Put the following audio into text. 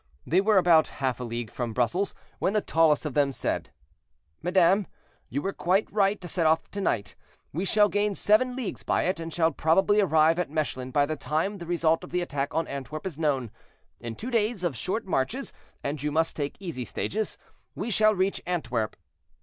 They were about half a league from Brussels, when the tallest of them said: "Madame, you were quite right to set off to night; we shall gain seven leagues by it, and shall probably arrive at Mechlin by the time the result of the attack on Antwerp is known. In two days of short marches, and you must take easy stages, we shall reach Antwerp."